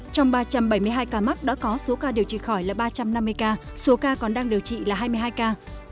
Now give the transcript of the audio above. trong ba trăm bảy mươi hai ca mắc đã có số ca điều trị khỏi là ba trăm năm mươi ca số ca còn đang điều trị là hai mươi hai ca